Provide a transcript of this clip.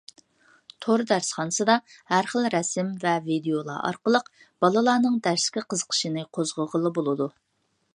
تور دەرسخانىسىدا ھەر خىل رەسىم ۋە ۋىدىيولار ئارقىلىق بالىلارنىڭ دەرسكە قىزىقىشىنى قوزغىغىلى بولىدۇ.